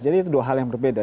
jadi itu dua hal yang berbeda